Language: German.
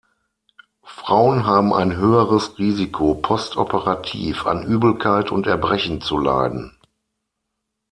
Frauen haben ein höheres Risiko, postoperativ an Übelkeit und Erbrechen zu leiden.